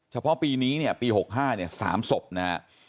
เฉพาะปีนี้เนี่ยปี๖๕เนี่ย๓ศพนะฮะ